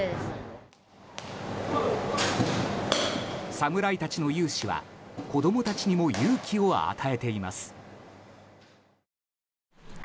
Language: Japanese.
侍たちの雄姿は子供たちにも勇気を与えています。